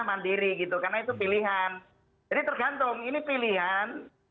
mandiri gitu karena itu pilihan